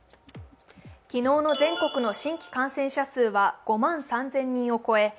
昨日の全国の新規感染者数は５万３０００人を超え